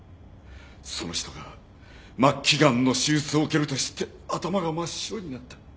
その人が末期がんの手術を受けると知って頭が真っ白になった。